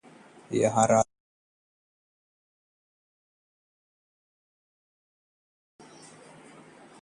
यहां पर पानी के लिए रातभर खड़े रहते हैं लोग